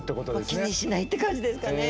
気にしないって感じですかね。